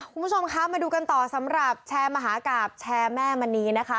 คุณผู้ชมคะมาดูกันต่อสำหรับแชร์มหากราบแชร์แม่มณีนะคะ